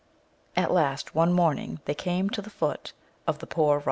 At last one morning they came to the foot of the Poor VOL.